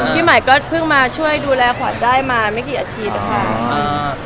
พี่มัยก็เพิ่งมาช่วยดูแลขวัญได้มาไม่กี่สัปดาห์